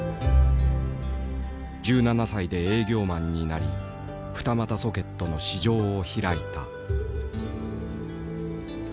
１７歳で営業マンになり二股ソケットの市場を開いた。